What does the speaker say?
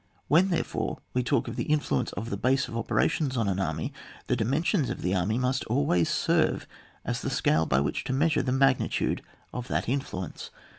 When, therefore, we talk of the influence of the base on the oper ations of an army, the dimensions of the anny must always servo as the scale by which to measure the magnitude of that influence.